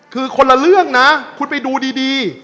คือคนละเรื่องนะคุณไปดูดี